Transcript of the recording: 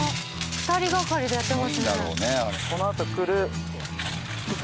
２人がかりでやってますね。